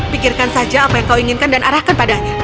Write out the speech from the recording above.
pikirkan saja apa yang kau inginkan dan arahkan padanya